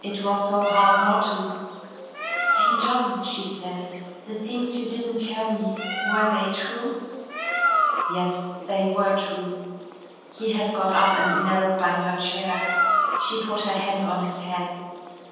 "It was so hard not to." "St. John," she said, "the things you didn't tell me, were they true?" "Yes, they were true." He had got up and knelt by her chair. She put her hand on his head.